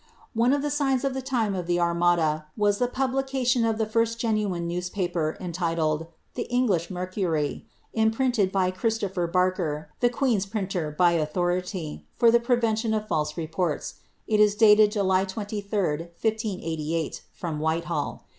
One of the signs of the lime of the Armaila, was the publication of the first genuine newspaper, entitled, '^The English Mercuric," imprinted by Christopher Barker, tlie queen's printer, by authority, for the preTeaiion of false reports,' it is dated July 23, 1588, from Whitehall.